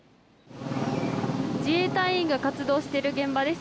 自衛隊員が活動している現場です。